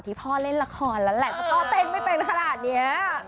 ละครแล้วแหละเพราะเต้นไม่เป็นขนาดนี้